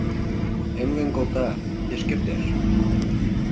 — Эмлен колта, пеш кертеш.